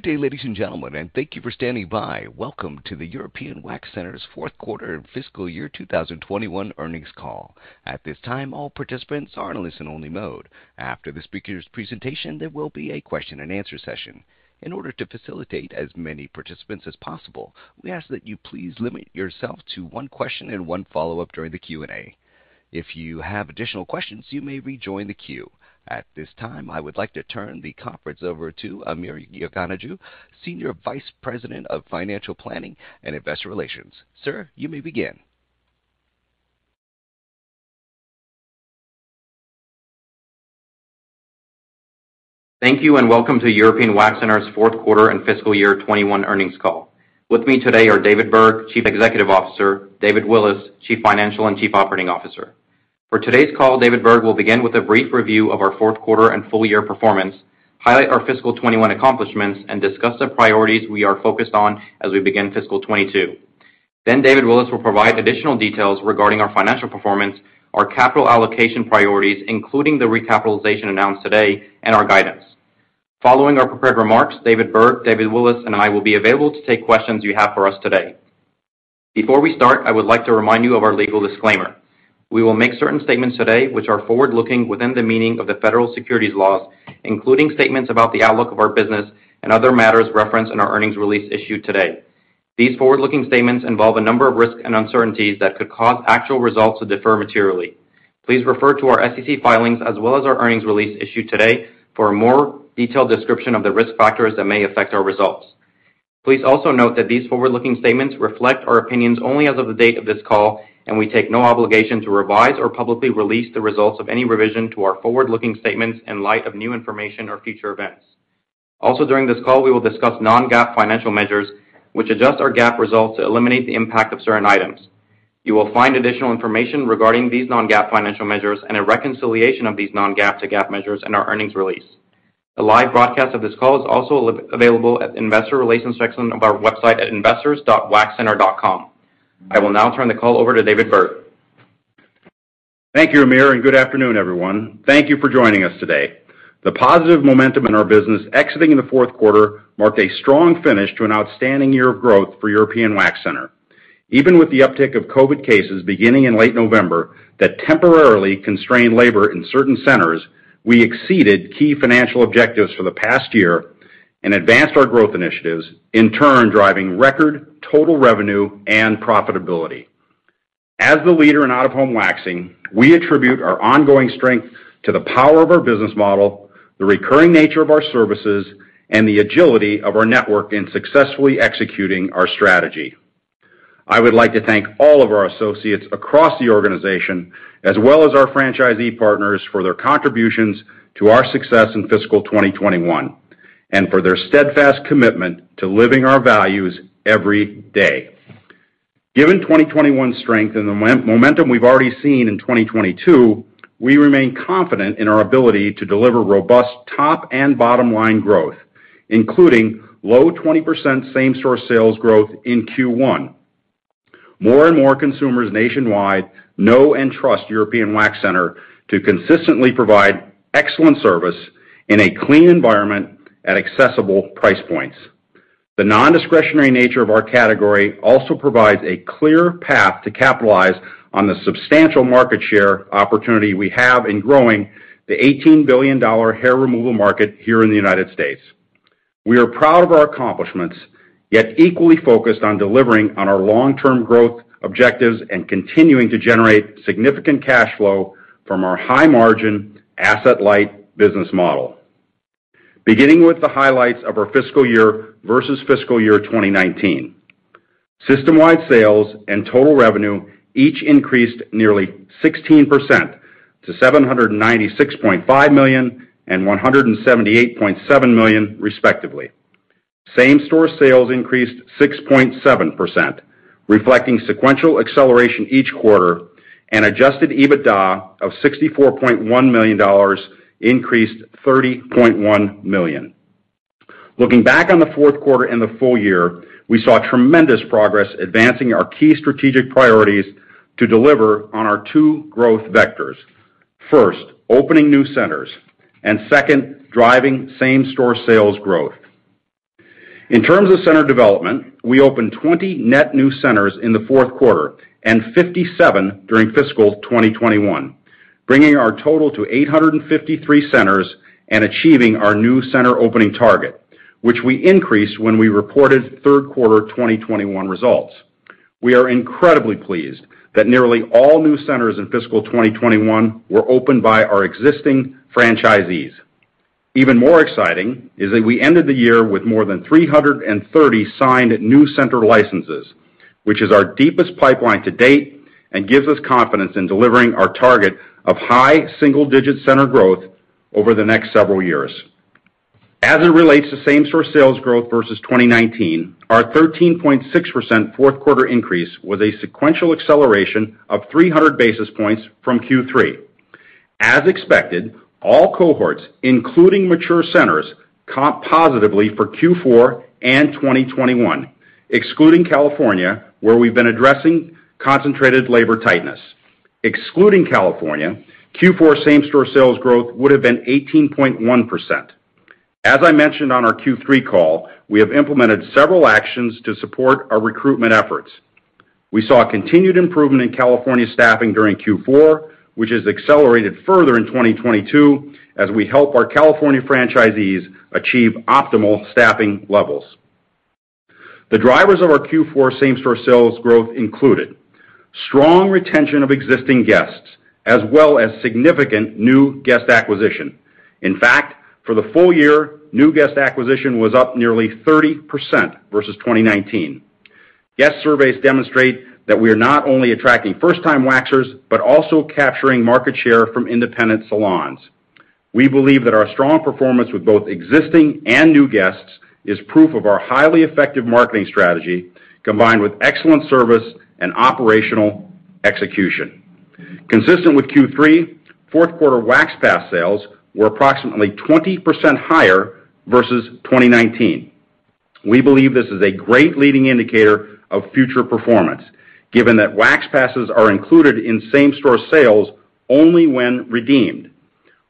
Good day, ladies and gentlemen, and thank you for standing by. Welcome to the European Wax Center's fourth quarter fiscal year 2021 earnings call. At this time, all participants are in listen-only mode. After the speaker's presentation, there will be a question and answer session. In order to facilitate as many participants as possible, we ask that you please limit yourself to one question and one follow-up during the Q&A. If you have additional questions, you may rejoin the queue. At this time, I would like to turn the conference over to Amir Yeganehjoo, Senior Vice President of Financial Planning and Investor Relations. Sir, you may begin. Thank you and welcome to European Wax Center's fourth quarter and fiscal year 2021 earnings call. With me today are David Berg, Chief Executive Officer, David Willis, Chief Financial and Chief Operating Officer. For today's call, David Berg will begin with a brief review of our fourth quarter and full year performance, highlight our fiscal 2021 accomplishments, and discuss the priorities we are focused on as we begin fiscal 2022. Then David Willis will provide additional details regarding our financial performance, our capital allocation priorities, including the recapitalization announced today, and our guidance. Following our prepared remarks, David Berg, David Willis, and I will be available to take questions you have for us today. Before we start, I would like to remind you of our legal disclaimer. We will make certain statements today which are forward-looking within the meaning of the federal securities laws, including statements about the outlook of our business and other matters referenced in our earnings release issued today. These forward-looking statements involve a number of risks and uncertainties that could cause actual results to differ materially. Please refer to our SEC filings as well as our earnings release issued today for a more detailed description of the risk factors that may affect our results. Please also note that these forward-looking statements reflect our opinions only as of the date of this call, and we take no obligation to revise or publicly release the results of any revision to our forward-looking statements in light of new information or future events. Also, during this call, we will discuss non-GAAP financial measures, which adjust our GAAP results to eliminate the impact of certain items. You will find additional information regarding these non-GAAP financial measures and a reconciliation of these non-GAAP to GAAP measures in our earnings release. A live broadcast of this call is also available at the Investor Relations section of our website at investors.europeanwaxcenter.com. I will now turn the call over to David Berg. Thank you, Amir, and good afternoon, everyone. Thank you for joining us today. The positive momentum in our business exiting the fourth quarter marked a strong finish to an outstanding year of growth for European Wax Center. Even with the uptick of COVID cases beginning in late November that temporarily constrained labor in certain centers, we exceeded key financial objectives for the past year and advanced our growth initiatives, in turn, driving record total revenue and profitability. As the leader in out-of-home waxing, we attribute our ongoing strength to the power of our business model, the recurring nature of our services, and the agility of our network in successfully executing our strategy. I would like to thank all of our associates across the organization, as well as our franchisee partners, for their contributions to our success in fiscal 2021 and for their steadfast commitment to living our values every day. Given 2021 strength and the momentum we've already seen in 2022, we remain confident in our ability to deliver robust top and bottom-line growth, including low 20% same-store sales growth in Q1. More and more consumers nationwide know and trust European Wax Center to consistently provide excellent service in a clean environment at accessible price points. The nondiscretionary nature of our category also provides a clear path to capitalize on the substantial market share opportunity we have in growing the $18 billion hair removal market here in the United States. We are proud of our accomplishments, yet equally focused on delivering on our long-term growth objectives and continuing to generate significant cash flow from our high-margin, asset-light business model. Beginning with the highlights of our fiscal year versus fiscal year 2019. System-wide sales and total revenue each increased nearly 16% to $796.5 million and $178.7 million, respectively. Same-store sales increased 6.7%, reflecting sequential acceleration each quarter, and adjusted EBITDA of $64.1 million increased $30.1 million. Looking back on the fourth quarter and the full year, we saw tremendous progress advancing our key strategic priorities to deliver on our two growth vectors. First, opening new centers, and second, driving same-store sales growth. In terms of center development, we opened 20 net new centers in the fourth quarter and 57 during fiscal 2021, bringing our total to 853 centers and achieving our new center opening target, which we increased when we reported third quarter 2021 results. We are incredibly pleased that nearly all new centers in fiscal 2021 were opened by our existing franchisees. Even more exciting is that we ended the year with more than 330 signed new center licenses, which is our deepest pipeline to date and gives us confidence in delivering our target of high single-digit center growth over the next several years. As it relates to same-store sales growth versus 2019, our 13.6% fourth quarter increase was a sequential acceleration of 300 basis points from Q3. As expected, all cohorts, including mature centers, comped positively for Q4 and 2021, excluding California, where we've been addressing concentrated labor tightness. Excluding California, Q4 same-store sales growth would have been 18.1%. As I mentioned on our Q3 call, we have implemented several actions to support our recruitment efforts. We saw a continued improvement in California staffing during Q4, which has accelerated further in 2022 as we help our California franchisees achieve optimal staffing levels. The drivers of our Q4 same-store sales growth included strong retention of existing guests as well as significant new guest acquisition. In fact, for the full year, new guest acquisition was up nearly 30% versus 2019. Guest surveys demonstrate that we are not only attracting first-time waxers, but also capturing market share from independent salons. We believe that our strong performance with both existing and new guests is proof of our highly effective marketing strategy, combined with excellent service and operational execution. Consistent with Q3, fourth quarter Wax Pass sales were approximately 20% higher versus 2019. We believe this is a great leading indicator of future performance, given that Wax Passes are included in same-store sales only when redeemed.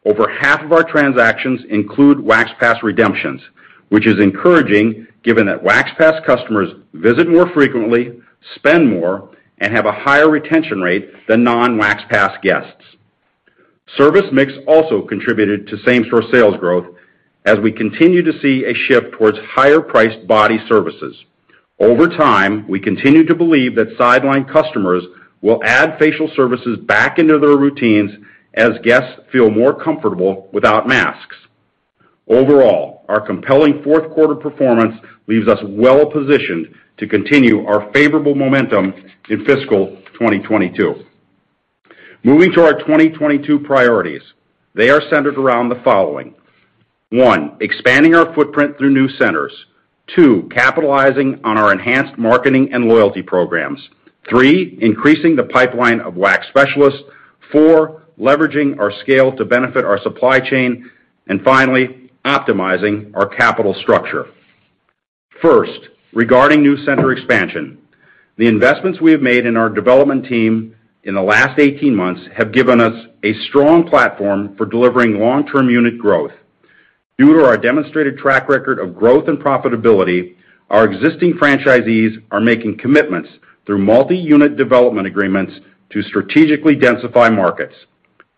Over half of our transactions include Wax Pass redemptions, which is encouraging given that Wax Pass customers visit more frequently, spend more, and have a higher retention rate than non-Wax Pass guests. Service mix also contributed to same-store sales growth as we continue to see a shift towards higher-priced body services. Over time, we continue to believe that sideline customers will add facial services back into their routines as guests feel more comfortable without masks. Overall, our compelling fourth quarter performance leaves us well positioned to continue our favorable momentum in fiscal 2022. Moving to our 2022 priorities, they are centered around the following. One, expanding our footprint through new centers. Two, capitalizing on our enhanced marketing and loyalty programs. Three, increasing the pipeline of wax specialists. Four, leveraging our scale to benefit our supply chain. Finally, optimizing our capital structure. First, regarding new center expansion. The investments we have made in our development team in the last 18 months have given us a strong platform for delivering long-term unit growth. Due to our demonstrated track record of growth and profitability, our existing franchisees are making commitments through multi-unit development agreements to strategically densify markets.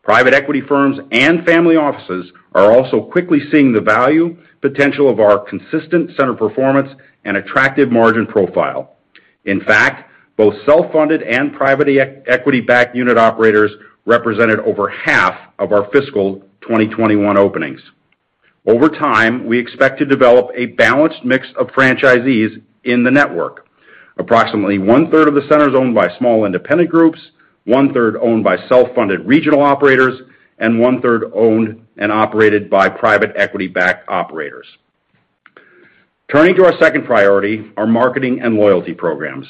Private equity firms and family offices are also quickly seeing the value potential of our consistent center performance and attractive margin profile. In fact, both self-funded and private equity-backed unit operators represented over half of our fiscal 2021 openings. Over time, we expect to develop a balanced mix of franchisees in the network. Approximately 1/3 of the centers owned by small independent groups, 1/3 owned by self-funded regional operators, and 1/3 owned and operated by private equity-backed operators. Turning to our second priority, our marketing and loyalty programs.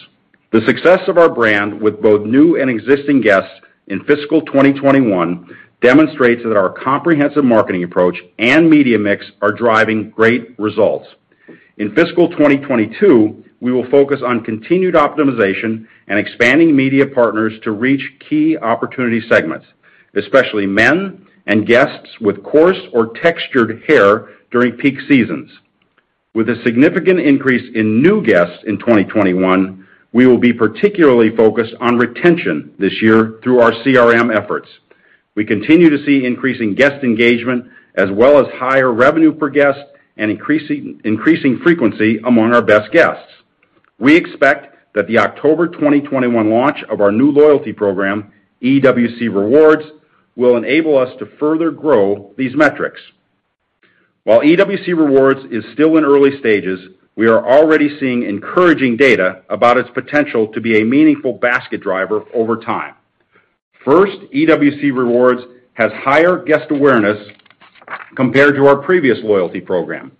The success of our brand with both new and existing guests in fiscal 2021 demonstrates that our comprehensive marketing approach and media mix are driving great results. In fiscal 2022, we will focus on continued optimization and expanding media partners to reach key opportunity segments, especially men and guests with coarse or textured hair during peak seasons. With a significant increase in new guests in 2021, we will be particularly focused on retention this year through our CRM efforts. We continue to see increasing guest engagement as well as higher revenue per guest and increasing frequency among our best guests. We expect that the October 2021 launch of our new loyalty program, EWC Rewards, will enable us to further grow these metrics. While EWC Rewards is still in early stages, we are already seeing encouraging data about its potential to be a meaningful basket driver over time. First, EWC Rewards has higher guest awareness compared to our previous loyalty program.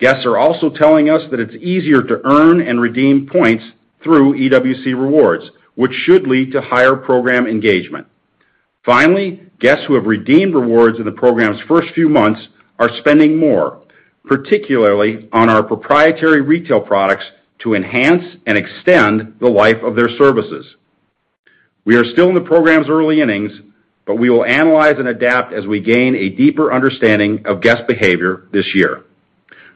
Guests are also telling us that it's easier to earn and redeem points through EWC Rewards, which should lead to higher program engagement. Finally, guests who have redeemed rewards in the program's first few months are spending more, particularly on our proprietary retail products to enhance and extend the life of their services. We are still in the program's early innings, but we will analyze and adapt as we gain a deeper understanding of guest behavior this year.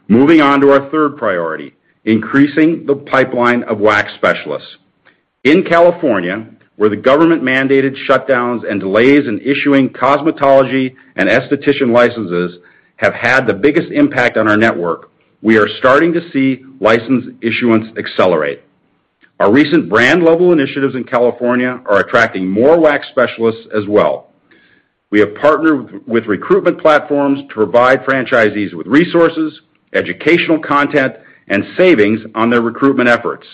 Moving on to our third priority, increasing the pipeline of wax specialists. In California, where the government-mandated shutdowns and delays in issuing cosmetology and esthetician licenses have had the biggest impact on our network, we are starting to see license issuance accelerate. Our recent brand-level initiatives in California are attracting more wax specialists as well. We have partnered with recruitment platforms to provide franchisees with resources, educational content, and savings on their recruitment efforts.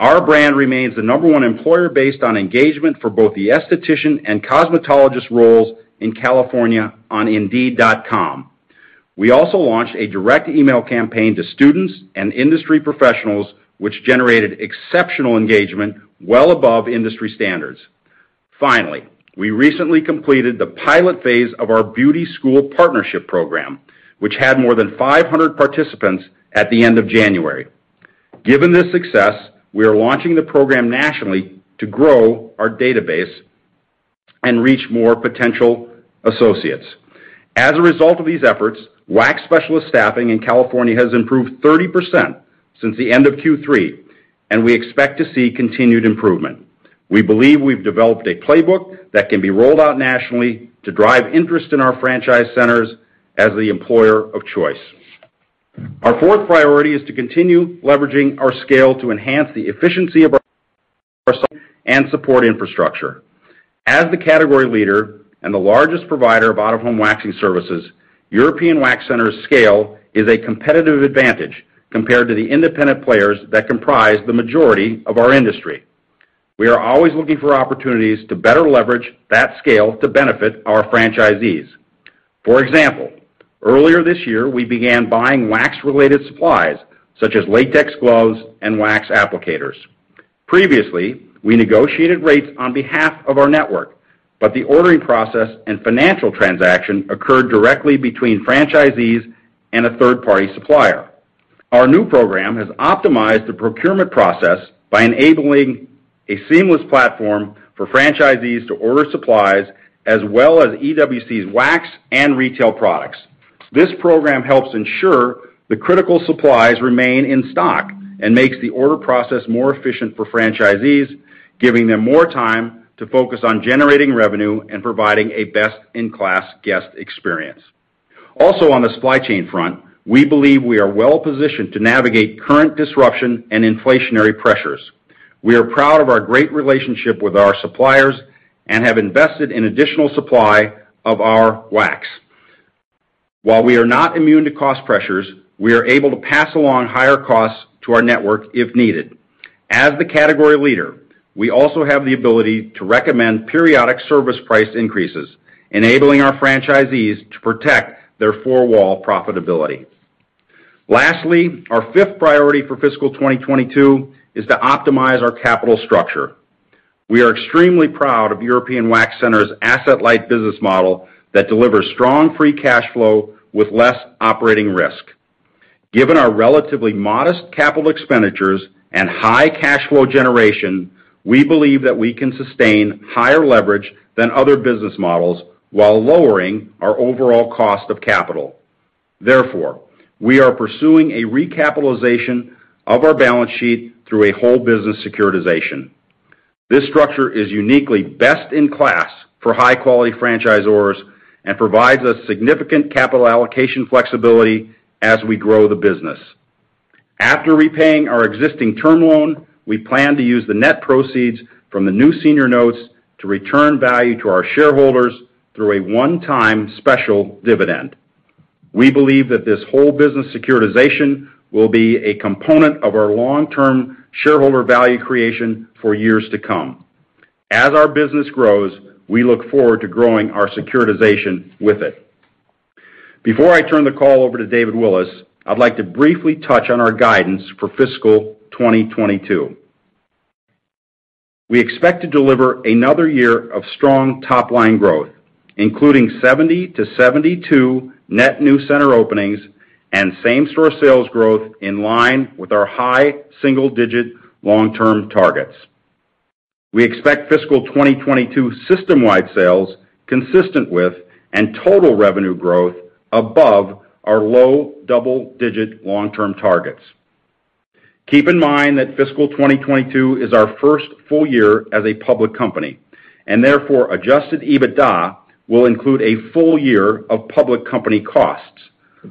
Our brand remains the number one employer based on engagement for both the esthetician and cosmetologist roles in California on Indeed. We also launched a direct email campaign to students and industry professionals, which generated exceptional engagement well above industry standards. Finally, we recently completed the pilot phase of our beauty school partnership program, which had more than 500 participants at the end of January. Given this success, we are launching the program nationally to grow our database and reach more potential associates. As a result of these efforts, wax specialist staffing in California has improved 30% since the end of Q3, and we expect to see continued improvement. We believe we've developed a playbook that can be rolled out nationally to drive interest in our franchise centers as the employer of choice. Our fourth priority is to continue leveraging our scale to enhance the efficiency of our R&D and support infrastructure. As the category leader and the largest provider of out-of-home waxing services, European Wax Center's scale is a competitive advantage compared to the independent players that comprise the majority of our industry. We are always looking for opportunities to better leverage that scale to benefit our franchisees. For example, earlier this year, we began buying wax-related supplies such as latex gloves and wax applicators. Previously, we negotiated rates on behalf of our network, but the ordering process and financial transaction occurred directly between franchisees and a third-party supplier. Our new program has optimized the procurement process by enabling a seamless platform for franchisees to order supplies as well as EWC's wax and retail products. This program helps ensure the critical supplies remain in stock and makes the order process more efficient for franchisees, giving them more time to focus on generating revenue and providing a best-in-class guest experience. Also, on the supply chain front, we believe we are well-positioned to navigate current disruption and inflationary pressures. We are proud of our great relationship with our suppliers and have invested in additional supply of our wax. While we are not immune to cost pressures, we are able to pass along higher costs to our network if needed. As the category leader, we also have the ability to recommend periodic service price increases, enabling our franchisees to protect their four-wall profitability. Lastly, our fifth priority for fiscal 2022 is to optimize our capital structure. We are extremely proud of European Wax Center's asset-light business model that delivers strong free cash flow with less operating risk. Given our relatively modest capital expenditures and high cash flow generation, we believe that we can sustain higher leverage than other business models while lowering our overall cost of capital. Therefore, we are pursuing a recapitalization of our balance sheet through a whole business securitization. This structure is uniquely best in class for high-quality franchisors and provides us significant capital allocation flexibility as we grow the business. After repaying our existing term loan, we plan to use the net proceeds from the new senior notes to return value to our shareholders through a one-time special dividend. We believe that this whole business securitization will be a component of our long-term shareholder value creation for years to come. As our business grows, we look forward to growing our securitization with it. Before I turn the call over to David Willis, I'd like to briefly touch on our guidance for fiscal 2022. We expect to deliver another year of strong top-line growth, including 70-72 net new center openings and same-store sales growth in line with our high single-digit long-term targets. We expect fiscal 2022 system-wide sales consistent with and total revenue growth above our low double-digit long-term targets. Keep in mind that fiscal 2022 is our first full year as a public company, and therefore, adjusted EBITDA will include a full year of public company costs.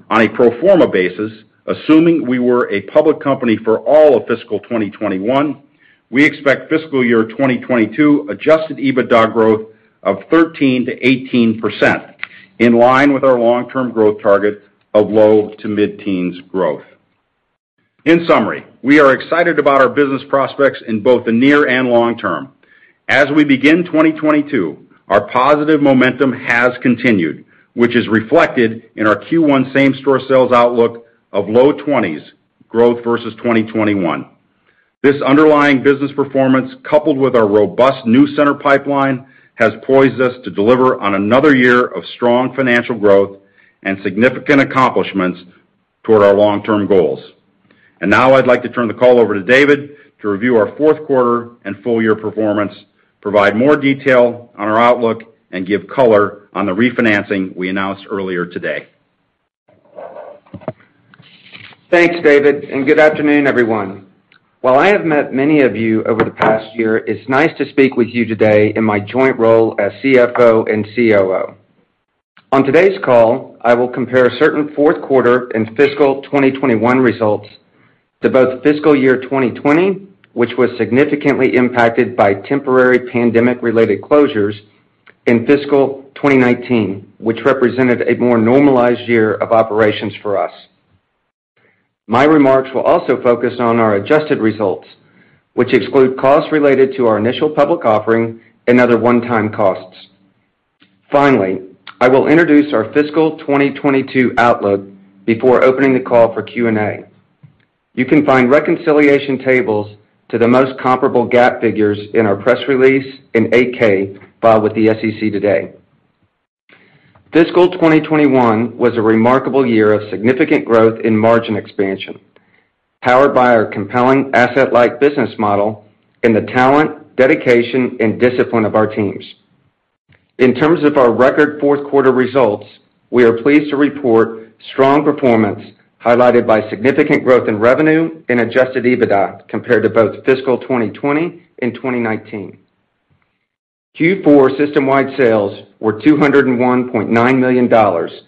On a pro forma basis, assuming we were a public company for all of fiscal 2021, we expect fiscal year 2022 adjusted EBITDA growth of 13%-18%, in line with our long-term growth target of low to mid-teens growth. In summary, we are excited about our business prospects in both the near and long term. As we begin 2022, our positive momentum has continued, which is reflected in our Q1 same-store sales outlook of low twenties growth versus 2021. This underlying business performance, coupled with our robust new center pipeline, has poised us to deliver on another year of strong financial growth and significant accomplishments toward our long-term goals. Now I'd like to turn the call over to David to review our fourth quarter and full year performance, provide more detail on our outlook, and give color on the refinancing we announced earlier today. Thanks, David, and good afternoon, everyone. While I have met many of you over the past year, it's nice to speak with you today in my joint role as CFO and COO. On today's call, I will compare certain fourth quarter and fiscal 2021 results to both fiscal year 2020, which was significantly impacted by temporary pandemic-related closures in fiscal 2019, which represented a more normalized year of operations for us. My remarks will also focus on our adjusted results, which exclude costs related to our initial public offering and other one-time costs. Finally, I will introduce our fiscal 2022 outlook before opening the call for Q&A. You can find reconciliation tables to the most comparable GAAP figures in our press release and 8-K filed with the SEC today. Fiscal 2021 was a remarkable year of significant growth in margin expansion, powered by our compelling asset-like business model and the talent, dedication, and discipline of our teams. In terms of our record fourth quarter results, we are pleased to report strong performance, highlighted by significant growth in revenue and adjusted EBITDA compared to both fiscal 2020 and 2019. Q4 system-wide sales were $201.9 million,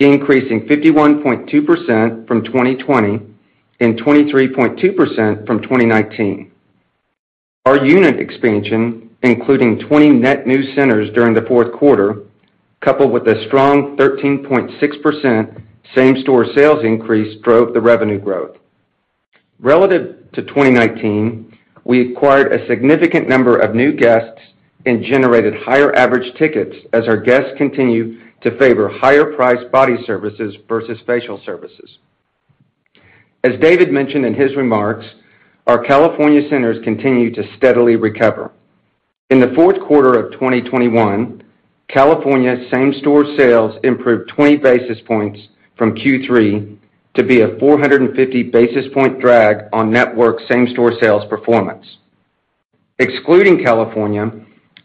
increasing 51.2% from 2020 and 23.2% from 2019. Our unit expansion, including 20 net new centers during the fourth quarter, coupled with a strong 13.6% same-store sales increase, drove the revenue growth. Relative to 2019, we acquired a significant number of new guests and generated higher average tickets as our guests continued to favor higher-priced body services versus facial services. As David mentioned in his remarks, our California centers continued to steadily recover. In the fourth quarter of 2021, California same-store sales improved 20 basis points from Q3 to be a 450 basis point drag on network same-store sales performance. Excluding California,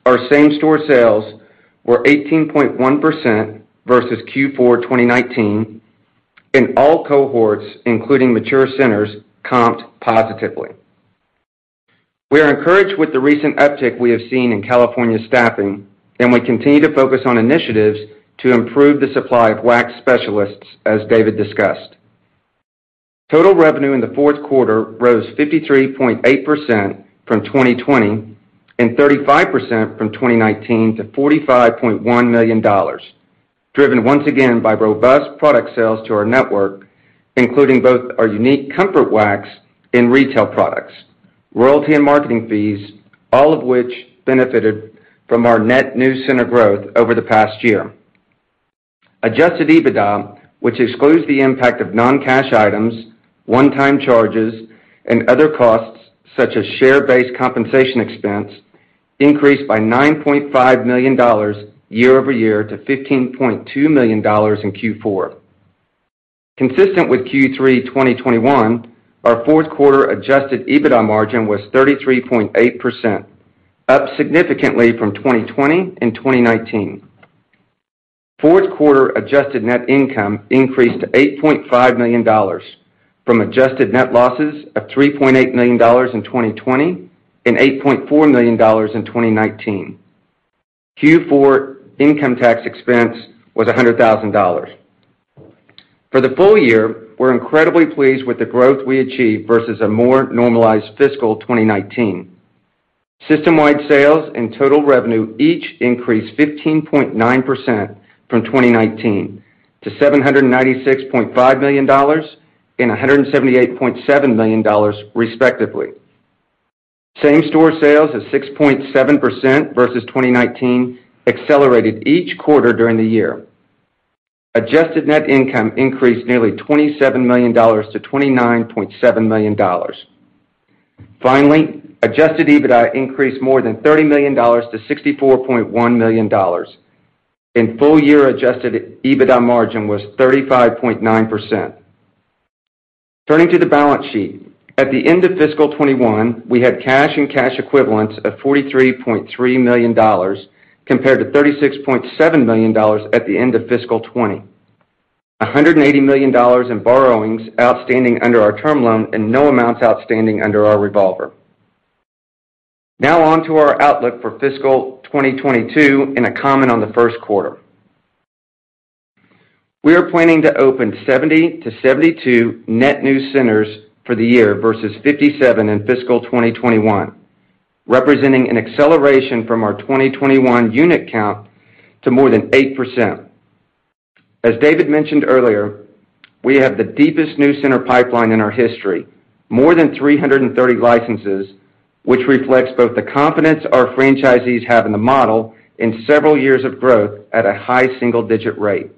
our same-store sales were 18.1% versus Q4 2019. In all cohorts, including mature centers, comped positively. We are encouraged with the recent uptick we have seen in California staffing, and we continue to focus on initiatives to improve the supply of wax specialists, as David discussed. Total revenue in the fourth quarter rose 53.8% from 2020 and 35% from 2019 to $45.1 million, driven once again by robust product sales to our network, including both our unique Comfort Wax and retail products, royalty and marketing fees, all of which benefited from our net new center growth over the past year. Adjusted EBITDA, which excludes the impact of non-cash items, one-time charges, and other costs such as share-based compensation expense, increased by $9.5 million year-over-year to $15.2 million in Q4. Consistent with Q3 2021, our fourth quarter adjusted EBITDA margin was 33.8%, up significantly from 2020 and 2019. Q4 adjusted net income increased to $8.5 million from adjusted net losses of $3.8 million in 2020 and $8.4 million in 2019. Q4 income tax expense was $100,000. For the full year, we're incredibly pleased with the growth we achieved versus a more normalized fiscal 2019. System-wide sales and total revenue each increased 15.9% from 2019 to $796.5 million and $178.7 million, respectively. Same-store sales of 6.7% versus 2019 accelerated each quarter during the year. Adjusted net income increased nearly $27 million-$29.7 million. Finally, adjusted EBITDA increased more than $30 million-$64.1 million. In full year, adjusted EBITDA margin was 35.9%. Turning to the balance sheet. At the end of fiscal 2021, we had cash and cash equivalents of $43.3 million compared to $36.7 million at the end of fiscal 2020. $180 million in borrowings outstanding under our term loan and no amounts outstanding under our revolver. Now on to our outlook for fiscal 2022 and a comment on the first quarter. We are planning to open 70-72 net new centers for the year versus 57 in fiscal 2021, representing an acceleration from our 2021 unit count to more than 8%. As David mentioned earlier, we have the deepest new center pipeline in our history, more than 330 licenses, which reflects both the confidence our franchisees have in the model and several years of growth at a high single-digit rate.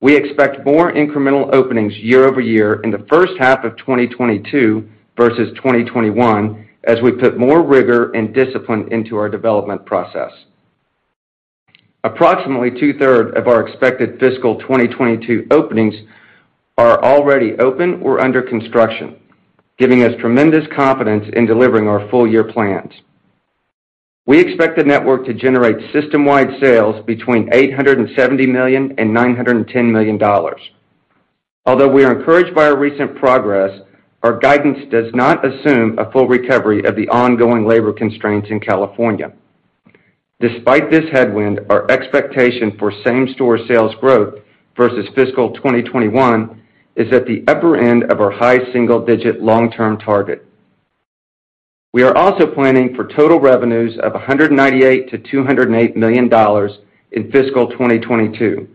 We expect more incremental openings year-over-year in the first half of 2022 versus 2021 as we put more rigor and discipline into our development process. Approximately 2/3 of our expected fiscal 2022 openings are already open or under construction, giving us tremendous confidence in delivering our full-year plans. We expect the network to generate system-wide sales between $870 million and $910 million. Although we are encouraged by our recent progress, our guidance does not assume a full recovery of the ongoing labor constraints in California. Despite this headwind, our expectation for same-store sales growth versus fiscal 2021 is at the upper end of our high single-digit long-term target. We are also planning for total revenues of $198 million-$208 million in fiscal 2022,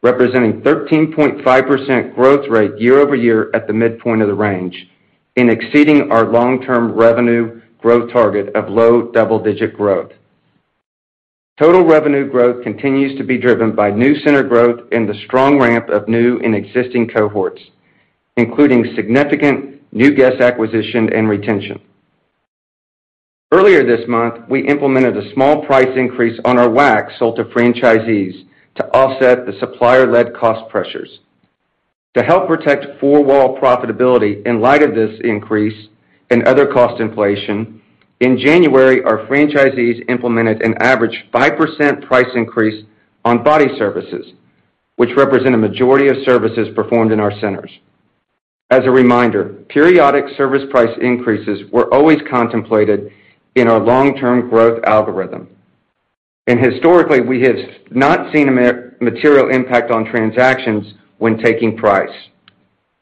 representing 13.5% growth rate year-over-year at the midpoint of the range and exceeding our long-term revenue growth target of low double-digit growth. Total revenue growth continues to be driven by new center growth and the strong ramp of new and existing cohorts, including significant new guest acquisition and retention. Earlier this month, we implemented a small price increase on our wax sold to franchisees to offset the supplier-led cost pressures. To help protect four-wall profitability in light of this increase and other cost inflation, in January, our franchisees implemented an average 5% price increase on body services, which represent a majority of services performed in our centers. As a reminder, periodic service price increases were always contemplated in our long-term growth algorithm. Historically, we have not seen a material impact on transactions when taking price.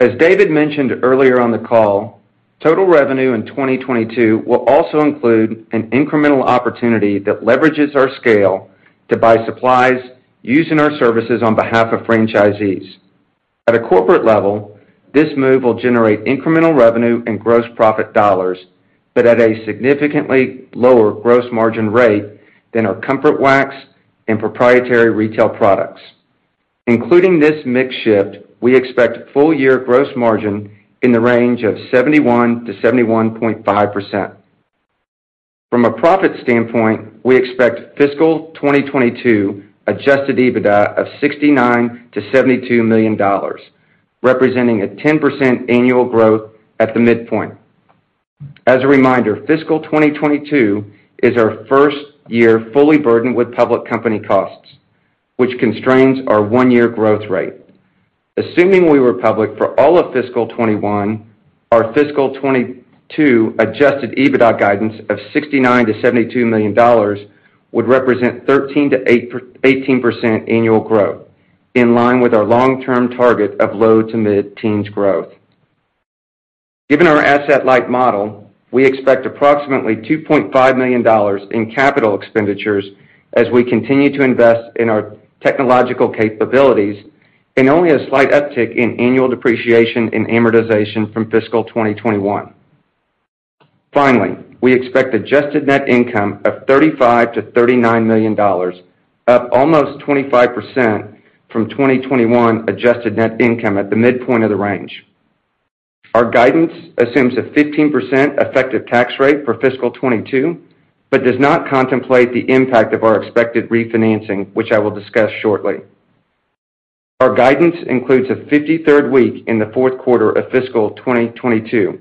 As David mentioned earlier on the call, total revenue in 2022 will also include an incremental opportunity that leverages our scale to buy supplies, wax and services on behalf of franchisees. At a corporate level, this move will generate incremental revenue and gross profit dollars, but at a significantly lower gross margin rate than our Comfort Wax and proprietary retail products. Including this mix shift, we expect full-year gross margin in the range of 71%-71.5%. From a profit standpoint, we expect fiscal 2022 adjusted EBITDA of $69 million-$72 million, representing 10% annual growth at the midpoint. As a reminder, fiscal 2022 is our first year fully burdened with public company costs, which constrains our one-year growth rate. Assuming we were public for all of fiscal 2021, our fiscal 2022 adjusted EBITDA guidance of $69 million-$72 million would represent 13%-18% annual growth, in line with our long-term target of low to mid-teens growth. Given our asset-light model, we expect approximately $2.5 million in capital expenditures as we continue to invest in our technological capabilities and only a slight uptick in annual depreciation and amortization from fiscal 2021. Finally, we expect adjusted net income of $35 million-$39 million, up almost 25% from 2021 adjusted net income at the midpoint of the range. Our guidance assumes a 15% effective tax rate for fiscal 2022, but does not contemplate the impact of our expected refinancing, which I will discuss shortly. Our guidance includes a 53rd week in the fourth quarter of fiscal 2022.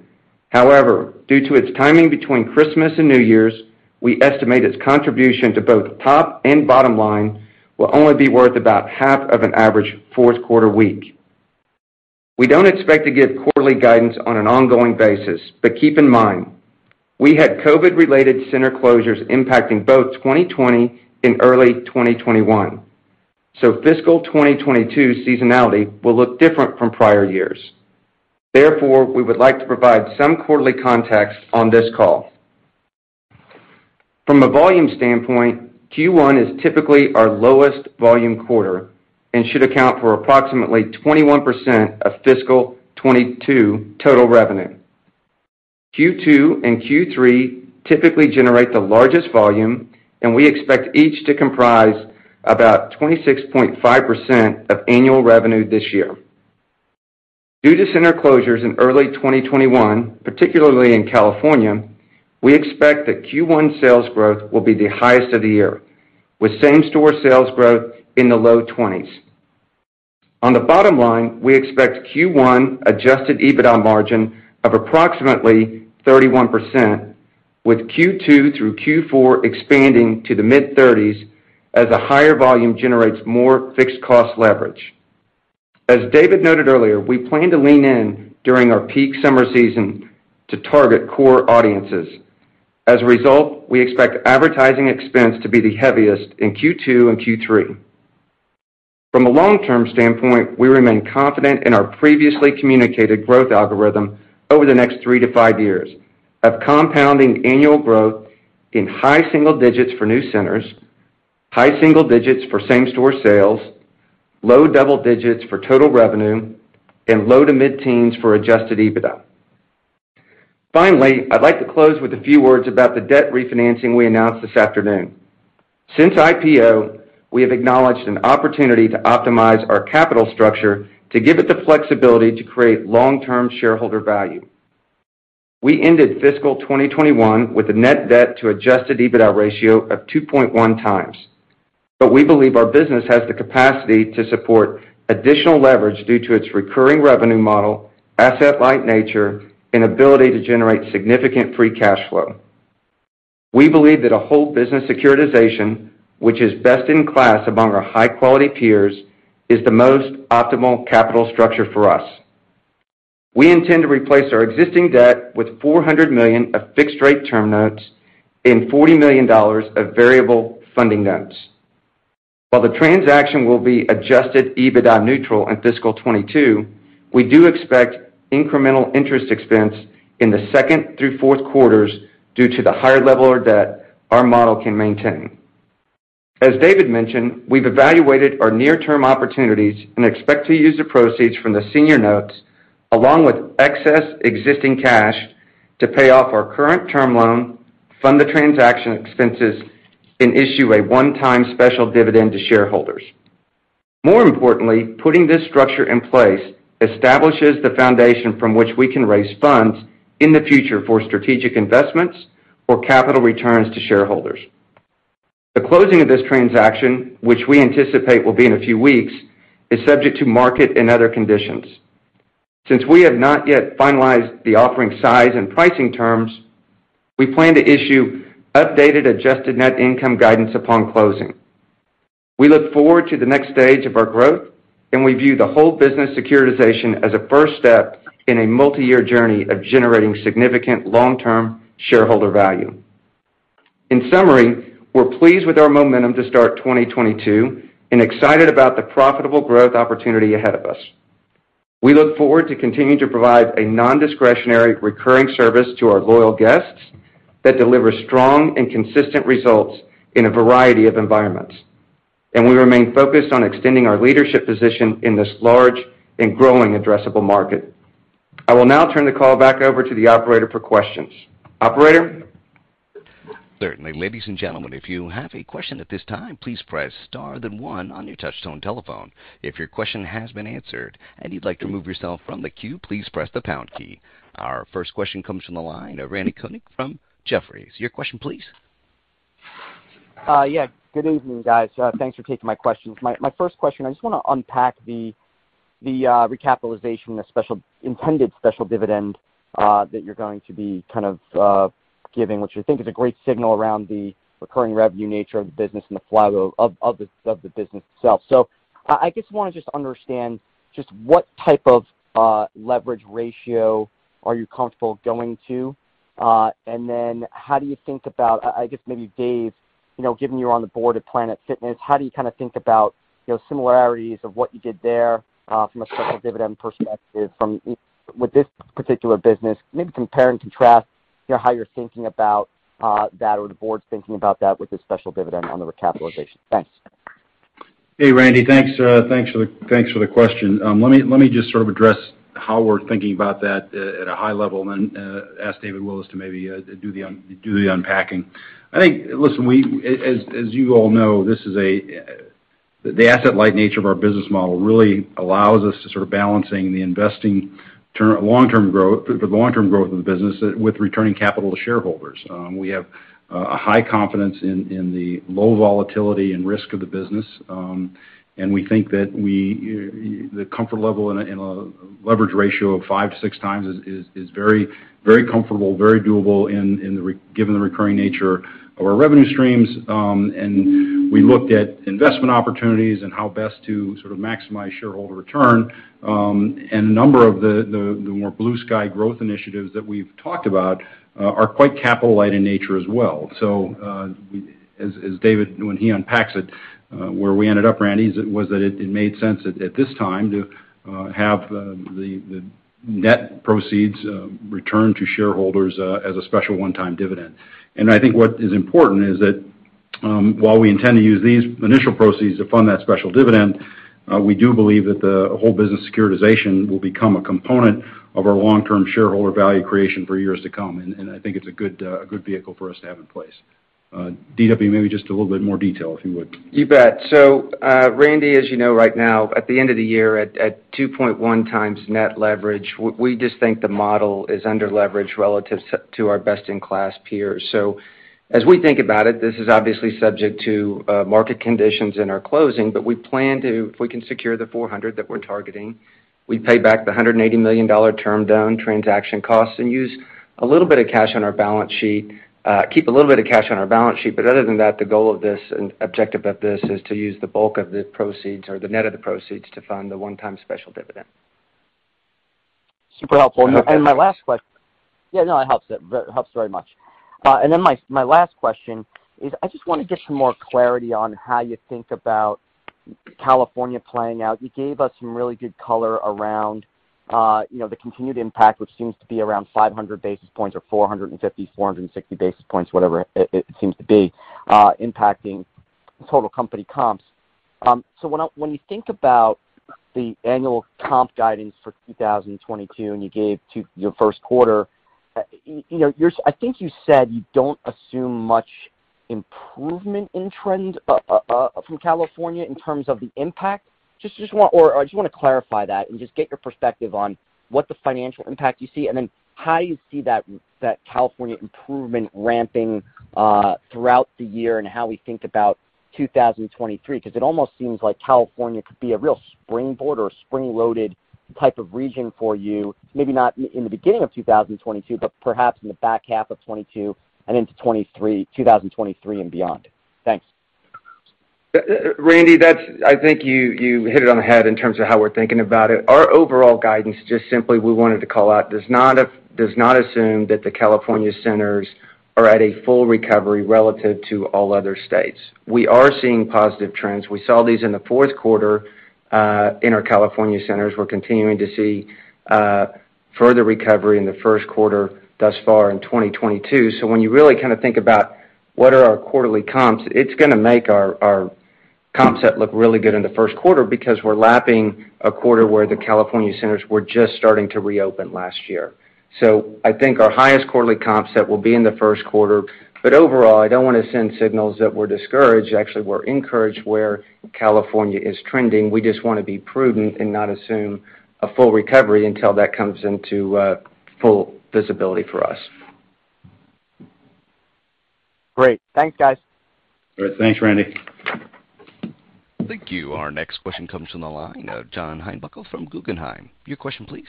However, due to its timing between Christmas and New Year's, we estimate its contribution to both top and bottom line will only be worth about half of an average fourth quarter week. We don't expect to give quarterly guidance on an ongoing basis, but keep in mind, we had COVID-related center closures impacting both 2020 and early 2021, so fiscal 2022 seasonality will look different from prior years. Therefore, we would like to provide some quarterly context on this call. From a volume standpoint, Q1 is typically our lowest volume quarter and should account for approximately 21% of fiscal 2022 total revenue. Q2 and Q3 typically generate the largest volume, and we expect each to comprise about 26.5% of annual revenue this year. Due to center closures in early 2021, particularly in California, we expect that Q1 sales growth will be the highest of the year, with same-store sales growth in the low 20s%. On the bottom line, we expect Q1 adjusted EBITDA margin of approximately 31%, with Q2 through Q4 expanding to the mid-30s% as a higher volume generates more fixed cost leverage. As David noted earlier, we plan to lean in during our peak summer season to target core audiences. As a result, we expect advertising expense to be the heaviest in Q2 and Q3. From a long-term standpoint, we remain confident in our previously communicated growth algorithm over the next 3-5 years of compounding annual growth in high single digits for new centers, high single digits for same-store sales, low double digits for total revenue, and low to mid-teens for adjusted EBITDA. Finally, I'd like to close with a few words about the debt refinancing we announced this afternoon. Since IPO, we have acknowledged an opportunity to optimize our capital structure to give it the flexibility to create long-term shareholder value. We ended fiscal 2021 with a net debt to adjusted EBITDA ratio of 2.1x, but we believe our business has the capacity to support additional leverage due to its recurring revenue model, asset-light nature, and ability to generate significant free cash flow. We believe that a whole business securitization, which is best in class among our high-quality peers, is the most optimal capital structure for us. We intend to replace our existing debt with $400 million of fixed rate term notes and $40 million of variable funding notes. While the transaction will be adjusted EBITDA neutral in fiscal 2022, we do expect incremental interest expense in the second through fourth quarters due to the higher level of debt our model can maintain. As David mentioned, we've evaluated our near-term opportunities and expect to use the proceeds from the senior notes along with excess existing cash to pay off our current term loan, fund the transaction expenses, and issue a one-time special dividend to shareholders. More importantly, putting this structure in place establishes the foundation from which we can raise funds in the future for strategic investments or capital returns to shareholders. The closing of this transaction, which we anticipate will be in a few weeks, is subject to market and other conditions. Since we have not yet finalized the offering size and pricing terms, we plan to issue updated adjusted net income guidance upon closing. We look forward to the next stage of our growth, and we view the whole business securitization as a first step in a multi-year journey of generating significant long-term shareholder value. In summary, we're pleased with our momentum to start 2022 and excited about the profitable growth opportunity ahead of us. We look forward to continuing to provide a non-discretionary recurring service to our loyal guests that delivers strong and consistent results in a variety of environments, and we remain focused on extending our leadership position in this large and growing addressable market. I will now turn the call back over to the operator for questions. Operator? Certainly. Ladies and gentlemen, if you have a question at this time, please press star then one on your touch-tone telephone. If your question has been answered and you'd like to remove yourself from the queue, please press the pound key. Our first question comes from the line of Randal Konik from Jefferies. Your question please. Yeah, good evening, guys. Thanks for taking my questions. My first question, I just wanna unpack the recapitalization, the intended special dividend that you're going to be kind of giving, which I think is a great signal around the recurring revenue nature of the business and the flywheel of the business itself. I guess wanna just understand just what type of leverage ratio are you comfortable going to? Then how do you think about, I guess maybe Dave, you know, given you're on the board at Planet Fitness, how do you kinda think about, you know, similarities of what you did there from a special dividend perspective with this particular business? Maybe compare and contrast, you know, how you're thinking about that or the board's thinking about that with this special dividend on the recapitalization. Thanks. Hey, Randal. Thanks for the question. Let me just sort of address how we're thinking about that at a high level and then ask David Willis to maybe do the unpacking. Listen, as you all know, the asset-light nature of our business model really allows us to sort of balance investing in long-term growth of the business with returning capital to shareholders. We have a high confidence in the low volatility and risk of the business, and we think that the comfort level in a leverage ratio of 5x-6x is very comfortable, very doable given the recurring nature of our revenue streams. We looked at investment opportunities and how best to sort of maximize shareholder return. A number of the more blue sky growth initiatives that we've talked about are quite capital light in nature as well. As David, when he unpacks it, where we ended up, Randal, is it made sense at this time to have the net proceeds returned to shareholders as a special one-time dividend. I think what is important is that, while we intend to use these initial proceeds to fund that special dividend, we do believe that the whole business securitization will become a component of our long-term shareholder value creation for years to come. I think it's a good vehicle for us to have in place. DW, maybe just a little bit more detail, if you would. You bet. Randy, as you know right now, at the end of the year, at 2.1x net leverage, we just think the model is underleveraged relative to our best-in-class peers. As we think about it, this is obviously subject to market conditions and closing, but we plan to, if we can secure the $400 million that we're targeting, pay back the $180 million term loan and transaction costs and use a little bit of cash on our balance sheet, keep a little bit of cash on our balance sheet, but other than that, the goal of this and objective of this is to use the bulk of the proceeds or the net of the proceeds to fund the one-time special dividend. Super helpful. Yeah, no, it helps. It helps very much. Then my last question is I just wanted some more clarity on how you think about California playing out. You gave us some really good color around the continued impact, which seems to be around 500 basis points or 450, 460 basis points, whatever it seems to be, impacting total company comps. So when you think about the annual comp guidance for 2022, and you gave your first quarter, I think you said you don't assume much improvement in trend from California in terms of the impact. I just wanna clarify that and just get your perspective on what the financial impact you see and then how you see that California improvement ramping throughout the year and how we think about 2023. 'Cause it almost seems like California could be a real springboard or a spring-loaded type of region for you. Maybe not in the beginning of 2022, but perhaps in the back half of 2022 and into 2023 and beyond. Thanks. Randal, that's. I think you hit it on the head in terms of how we're thinking about it. Our overall guidance, just simply we wanted to call out, does not assume that the California centers are at a full recovery relative to all other states. We are seeing positive trends. We saw these in the fourth quarter in our California centers. We're continuing to see further recovery in the first quarter thus far in 2022. When you really kinda think about what are our quarterly comps, it's gonna make our comp set look really good in the first quarter because we're lapping a quarter where the California centers were just starting to reopen last year. I think our highest quarterly comp set will be in the first quarter. Overall, I don't wanna send signals that we're discouraged. Actually, we're encouraged where California is trending. We just wanna be prudent and not assume a full recovery until that comes into full visibility for us. Great. Thanks, guys. All right. Thanks, Randal. Thank you. Our next question comes from the line of John Heinbockel from Guggenheim. Your question please.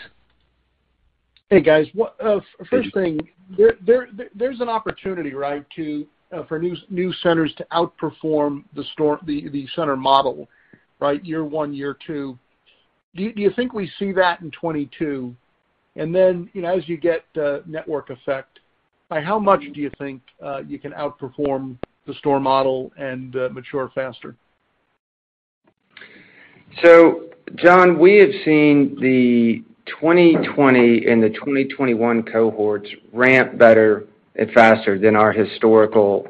Hey, guys. First thing, there's an opportunity, right, for new centers to outperform the store, the center model, right? Year one, year two. Do you think we see that in 2022? You know, as you get network effect, by how much do you think you can outperform the store model and mature faster? John, we have seen the 2020 and the 2021 cohorts ramp better and faster than our historical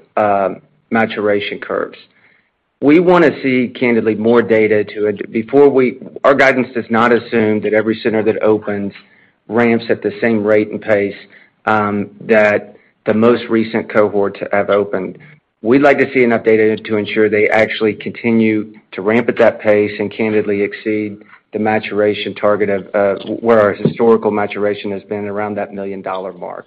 maturation curves. We want to see candidly more data to it. Our guidance does not assume that every center that opens ramps at the same rate and pace that the most recent cohorts have opened. We'd like to see enough data to ensure they actually continue to ramp at that pace and candidly exceed the maturation target of where our historical maturation has been around that $1 million mark.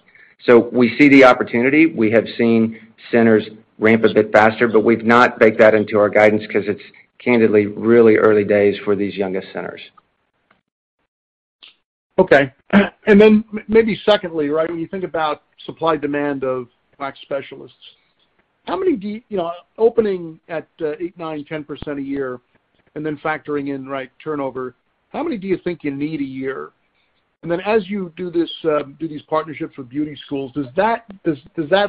We see the opportunity. We have seen centers ramp a bit faster, but we've not baked that into our guidance because it's candidly really early days for these youngest centers. Okay. Maybe secondly, right? When you think about supply and demand of wax specialists, how many do you You know, opening at 8%-10% a year and then factoring in, right, turnover, how many do you think you need a year? As you do this, do these partnerships with beauty schools, does that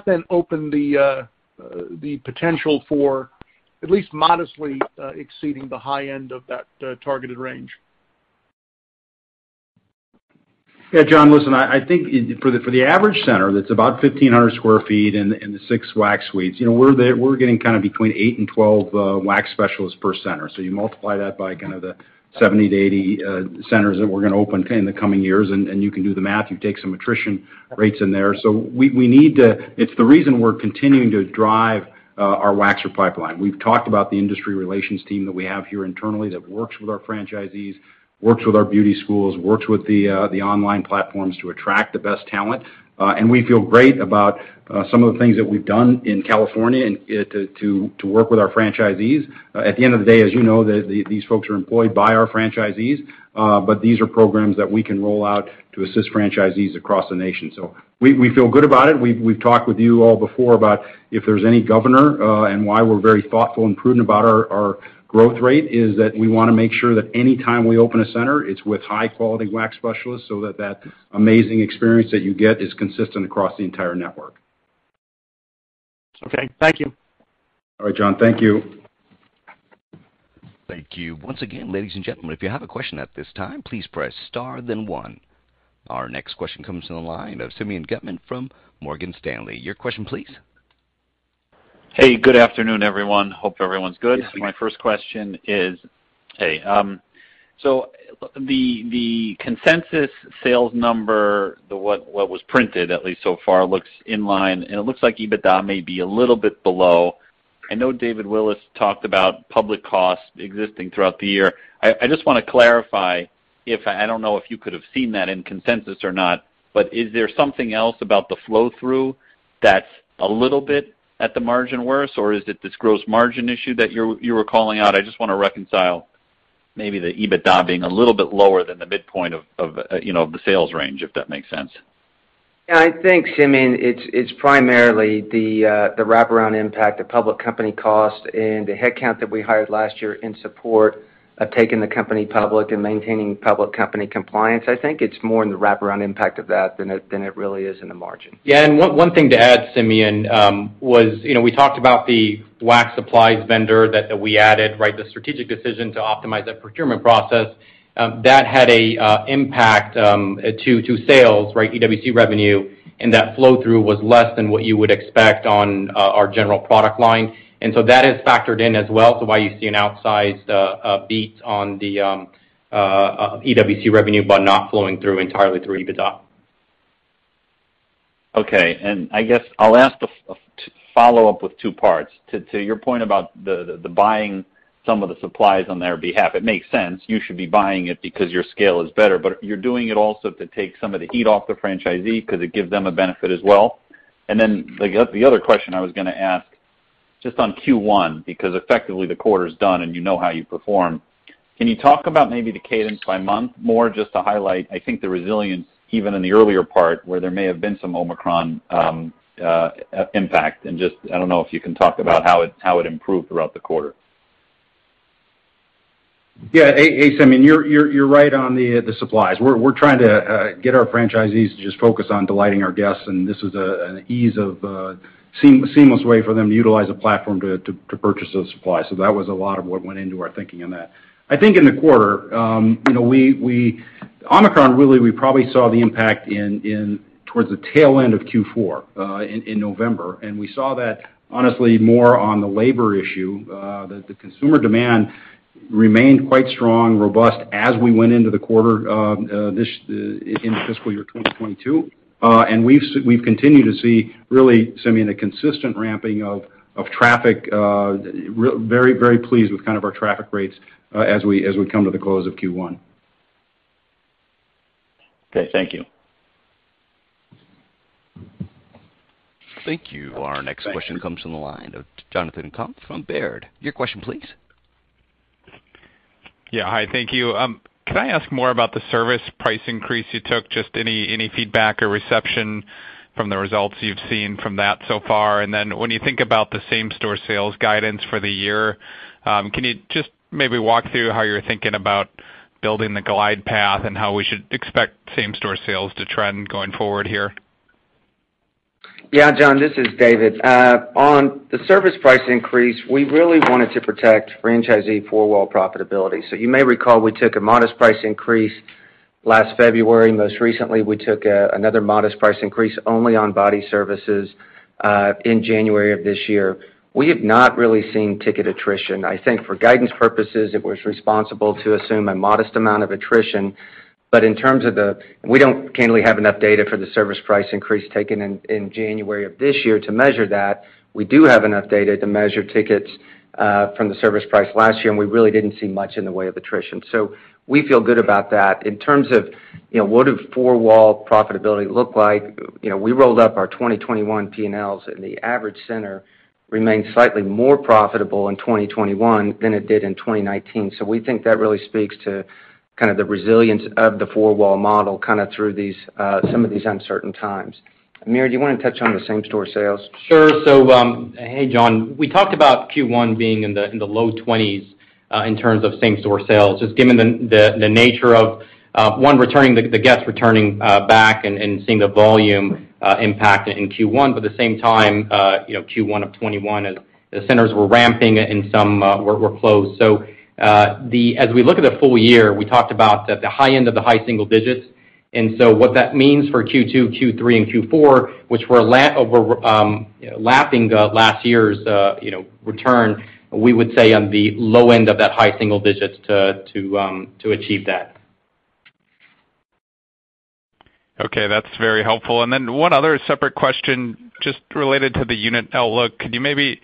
then open the potential for at least modestly exceeding the high end of that targeted range? Yeah. John, listen, I think for the average center that's about 1,500 sq ft and the six wax suites, you know, we're getting kind of between 8 and 12 wax specialists per center. You multiply that by kind of the 70-80 centers that we're gonna open in the coming years, and you can do the math. You take some attrition rates in there. We need to. It's the reason we're continuing to drive our waxer pipeline. We've talked about the industry relations team that we have here internally that works with our franchisees, works with our beauty schools, works with the online platforms to attract the best talent. And we feel great about some of the things that we've done in California and to work with our franchisees. At the end of the day, as you know, these folks are employed by our franchisees, but these are programs that we can roll out to assist franchisees across the nation. We feel good about it. We've talked with you all before about if there's any governor, and why we're very thoughtful and prudent about our growth rate is that we wanna make sure that any time we open a center, it's with high-quality wax specialists so that amazing experience that you get is consistent across the entire network. Okay, thank you. All right, John. Thank you. Thank you. Once again, ladies and gentlemen, if you have a question at this time, please press star then one. Our next question comes from the line of Simeon Gutman from Morgan Stanley. Your question please. Hey, good afternoon, everyone. Hope everyone's good. Yes. My first question is. Hey, so the consensus sales number, the what was printed at least so far looks in line, and it looks like EBITDA may be a little bit below. I just wanna clarify if, I don't know if you could have seen that in consensus or not, but is there something else about the flow-through that's a little bit at the margin worse, or is it this gross margin issue that you were calling out? I just wanna reconcile maybe the EBITDA being a little bit lower than the midpoint of, you know, the sales range, if that makes sense. Yeah. I think, Simeon, it's primarily the wraparound impact of public company cost and the headcount that we hired last year in support of taking the company public and maintaining public company compliance. I think it's more in the wraparound impact of that than it really is in the margin. Yeah. One thing to add, Simeon, was, you know, we talked about the wax supplies vendor that we added, right? The strategic decision to optimize that procurement process that had an impact to sales, right, EWC revenue. That flow-through was less than what you would expect on our general product line. That is factored in as well. Why you see an outsized beat on the EWC revenue, but not flowing through entirely through EBITDA. Okay. I guess I'll ask to follow up with two parts. To your point about the buying some of the supplies on their behalf, it makes sense. You should be buying it because your scale is better, but you're doing it also to take some of the heat off the franchisee 'cause it gives them a benefit as well. Then, I guess, the other question I was gonna ask just on Q1, because effectively the quarter is done and you know how you perform. Can you talk about maybe the cadence by month more just to highlight, I think, the resilience even in the earlier part where there may have been some Omicron impact? Just, I don't know if you can talk about how it improved throughout the quarter. Yeah. Hey, Simeon, you're right on the supplies. We're trying to get our franchisees to just focus on delighting our guests, and this is an easy, seamless way for them to utilize a platform to purchase those supplies. So that was a lot of what went into our thinking in that. I think in the quarter, you know, Omicron, really, we probably saw the impact towards the tail end of Q4 in November. We saw that honestly more on the labor issue that the consumer demand remained quite strong, robust as we went into the quarter in fiscal year 2022. We've continued to see really, Simeon, a consistent ramping of traffic. Very, very pleased with kind of our traffic rates, as we come to the close of Q1. Okay, thank you. Thank you. Our next question comes from the line of Jonathan Komp from Baird. Your question please. Yeah. Hi, thank you. Can I ask more about the service price increase you took? Just any feedback or reception from the results you've seen from that so far? When you think about the same-store sales guidance for the year, can you just maybe walk through how you're thinking about building the glide path and how we should expect same-store sales to trend going forward here? Yeah. John, this is David. On the service price increase, we really wanted to protect franchisee four-wall profitability. You may recall we took a modest price increase last February. Most recently, we took another modest price increase only on body services in January of this year. We have not really seen ticket attrition. I think for guidance purposes, it was responsible to assume a modest amount of attrition. In terms of the, we don't currently have enough data for the service price increase taken in January of this year to measure that. We do have enough data to measure tickets from the service price last year, and we really didn't see much in the way of attrition. We feel good about that. In terms of, you know, what do four-wall profitability look like, you know, we rolled up our 2021 P&Ls, and the average center remained slightly more profitable in 2021 than it did in 2019. We think that really speaks to kind of the resilience of the four-wall model kind of through these, some of these uncertain times. Amir, do you wanna touch on the same-store sales? Sure. Hey, John. We talked about Q1 being in the low 20s in terms of same-store sales. Just given the nature of the guests returning back and seeing the volume impact in Q1. At the same time, you know, Q1 of 2021, as the centers were ramping and some were closed. As we look at the full year, we talked about the high end of the high single digits. What that means for Q2, Q3, and Q4, which we're lapping last year's return, we would say on the low end of that high single digits to achieve that. Okay, that's very helpful. One other separate question, just related to the unit outlook. Could you maybe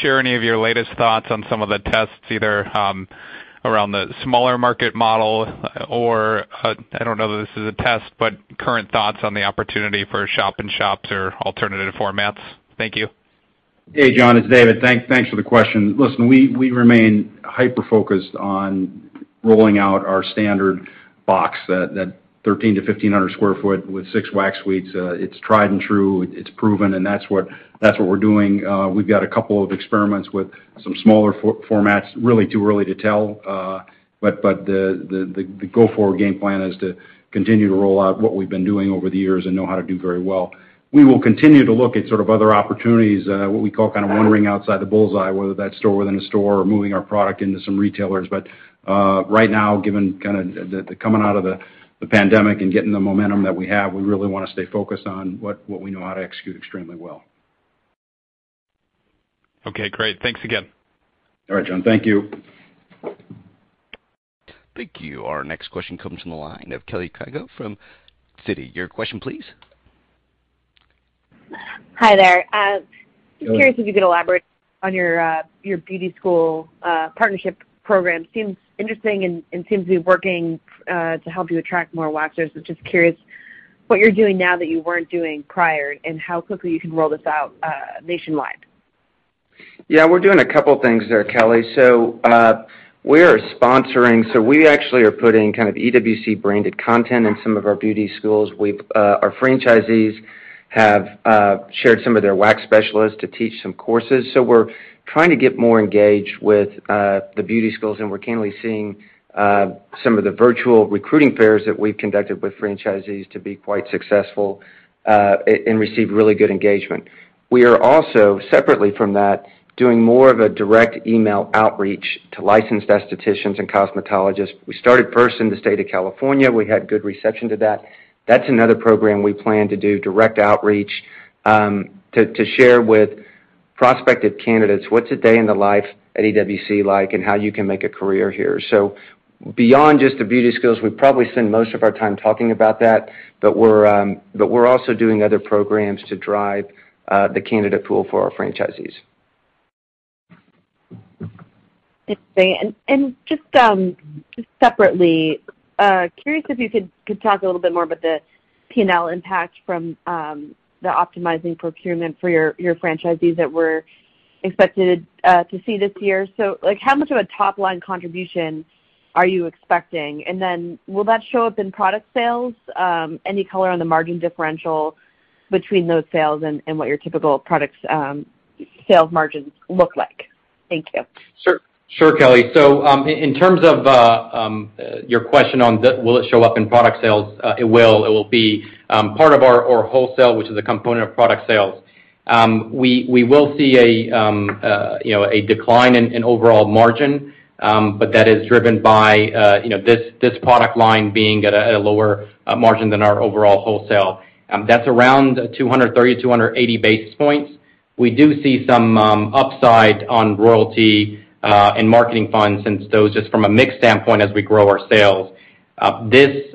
share any of your latest thoughts on some of the tests, either, around the smaller market model or, I don't know that this is a test, but current thoughts on the opportunity for shop-in-shops or alternative formats? Thank you. Hey, John, it's David. Thanks for the question. Listen, we remain hyper-focused on rolling out our standard box, that 1,300-1,500 sq ft with six wax suites. It's tried and true, it's proven, and that's what we're doing. We've got a couple of experiments with some smaller formats. It's really too early to tell, but the go-forward game plan is to continue to roll out what we've been doing over the years and know how to do very well. We will continue to look at sort of other opportunities, what we call kind of wandering outside the bull's-eye, whether that's store-within-a-store or moving our product into some retailers. Right now, given kinda the coming out of the pandemic and getting the momentum that we have, we really wanna stay focused on what we know how to execute extremely well. Okay, great. Thanks again. All right, John. Thank you. Thank you. Our next question comes from the line of Kelly Crago from Citi. Your question please. Hi there. Hello Just curious if you could elaborate on your beauty school partnership program. Seems interesting and seems to be working to help you attract more waxers. I'm just curious what you're doing now that you weren't doing prior and how quickly you can roll this out nationwide. Yeah, we're doing a couple things there, Kelly. We actually are putting kind of EWC-branded content in some of our beauty schools. We've, our franchisees have shared some of their wax specialists to teach some courses. We're trying to get more engaged with the beauty schools, and we're currently seeing some of the virtual recruiting fairs that we've conducted with franchisees to be quite successful and receive really good engagement. We are also, separately from that, doing more of a direct email outreach to licensed aestheticians and cosmetologists. We started first in the state of California. We had good reception to that. That's another program we plan to do direct outreach to share with prospective candidates what's a day in the life at EWC like and how you can make a career here. Beyond just the beauty schools, we probably spend most of our time talking about that, but we're also doing other programs to drive the candidate pool for our franchisees. Interesting. Just separately, curious if you could talk a little bit more about the P&L impact from the optimizing procurement for your franchisees that we're expected to see this year. Like, how much of a top-line contribution are you expecting? Then will that show up in product sales? Any color on the margin differential between those sales and what your typical products sales margins look like? Thank you. Sure, Kelly. In terms of your question on whether it will show up in product sales, it will. It will be part of our wholesale, which is a component of product sales. We will see you know a decline in overall margin, but that is driven by you know this product line being at a lower margin than our overall wholesale. That's around 230-280 basis points. We do see some upside on royalty and marketing funds and those just from a mix standpoint as we grow our sales. This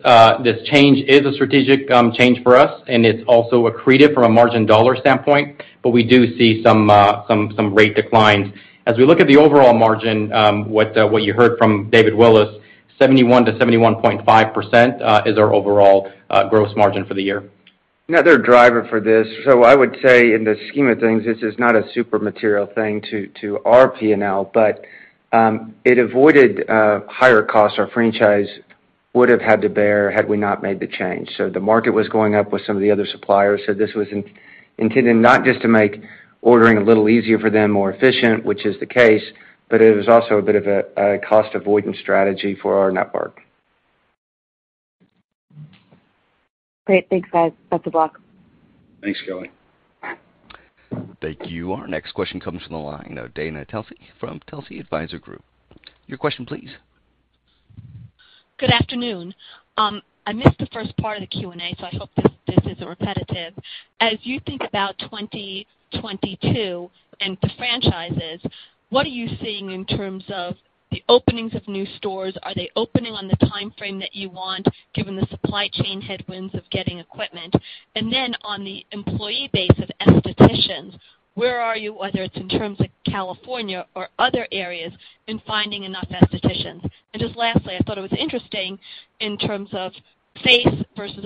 change is a strategic change for us, and it's also accretive from a margin dollar standpoint, but we do see some rate declines. As we look at the overall margin, what you heard from David Willis, 71%-71.5%, is our overall gross margin for the year. Another driver for this. I would say in the scheme of things, this is not a super material thing to our P&L, but it avoided higher costs our franchise would have had to bear had we not made the change. The market was going up with some of the other suppliers, so this was intended not just to make ordering a little easier for them, more efficient, which is the case, but it was also a bit of a cost avoidance strategy for our network. Great. Thanks, guys. Back to block. Thanks, Kelly. Thank you. Our next question comes from the line of Dana Telsey from Telsey Advisory Group. Your question please. Good afternoon. I missed the first part of the Q&A, so I hope this isn't repetitive. As you think about 2022 and the franchises, what are you seeing in terms of the openings of new stores? Are they opening on the timeframe that you want given the supply chain headwinds of getting equipment? And then on the employee base of aestheticians, where are you, whether it's in terms of California or other areas, in finding enough aestheticians? And just lastly, I thought it was interesting in terms of face versus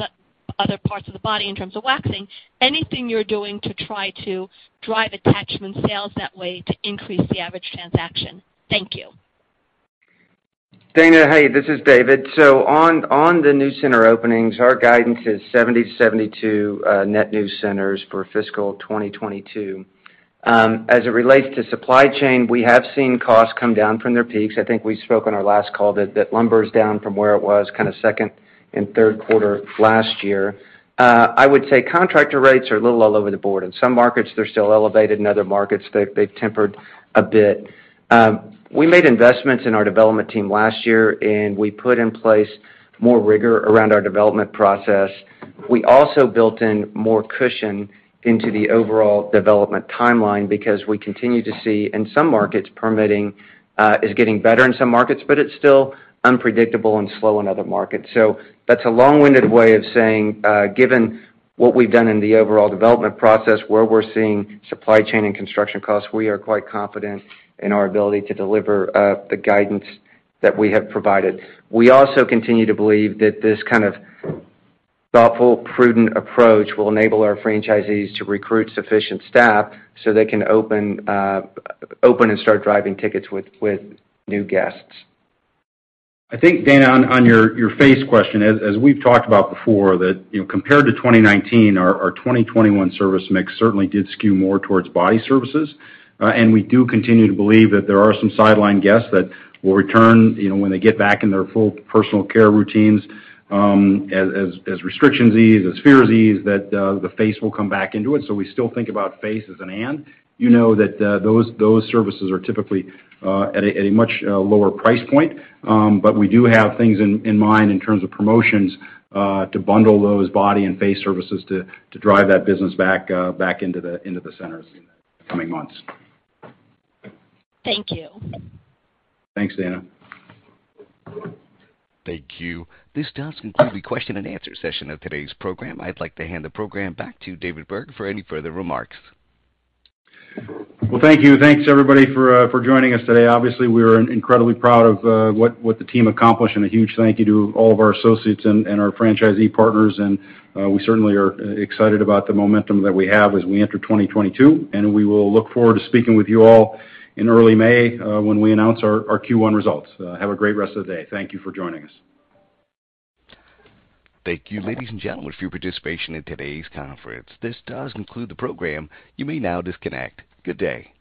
other parts of the body in terms of waxing, anything you're doing to try to drive attachment sales that way to increase the average transaction? Thank you. Dana, hey, this is David. On the new center openings, our guidance is 70-72 net new centers for fiscal 2022. As it relates to supply chain, we have seen costs come down from their peaks. I think we spoke on our last call that lumber's down from where it was kind of second and third quarter last year. I would say contractor rates are a little all over the board. In some markets, they're still elevated. In other markets, they've tempered a bit. We made investments in our development team last year, and we put in place more rigor around our development process. We also built in more cushion into the overall development timeline because we continue to see, in some markets, permitting is getting better in some markets, but it's still unpredictable and slow in other markets. That's a long-winded way of saying, given what we've done in the overall development process, where we're seeing supply chain and construction costs, we are quite confident in our ability to deliver, the guidance that we have provided. We also continue to believe that this kind of thoughtful, prudent approach will enable our franchisees to recruit sufficient staff so they can open and start driving tickets with new guests. I think, Dana, on your face question, as we've talked about before, you know, compared to 2019, our 2021 service mix certainly did skew more towards body services. We do continue to believe that there are some sidelined guests that will return, you know, when they get back in their full personal care routines, as restrictions ease, as fears ease, the face will come back into it. We still think about face as an and. You know that those services are typically at a much lower price point. We do have things in mind in terms of promotions to bundle those body and face services to drive that business back into the centers in the coming months. Thank you. Thanks, Dana. Thank you. This does conclude the question and answer session of today's program. I'd like to hand the program back to David Berg for any further remarks. Well, thank you. Thanks, everybody, for joining us today. Obviously, we are incredibly proud of what the team accomplished, and a huge thank you to all of our associates and our franchisee partners. We certainly are excited about the momentum that we have as we enter 2022, and we will look forward to speaking with you all in early May, when we announce our Q1 results. Have a great rest of the day. Thank you for joining us. Thank you, ladies and gentlemen, for your participation in today's conference. This does conclude the program. You may now disconnect. Good day.